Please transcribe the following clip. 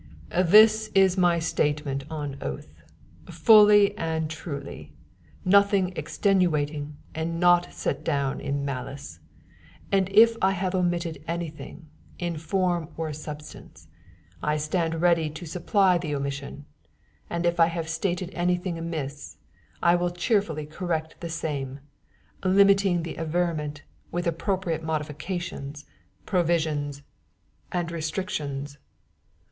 This is my statement on oath, fully and truly, nothing extenuating and naught setting down in malice; and if I have omitted anything, in form or substance, I stand ready to supply the omission; and if I have stated anything amiss, I will cheerfully correct the same, limiting the averment, with appropriate modifications, provisions, and restrictions.